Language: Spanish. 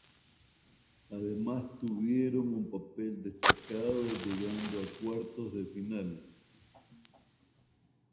Además tuvieron un papel destacado llegando a cuartos de final.